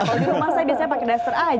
kalau di rumah saya biasanya pakai daster aja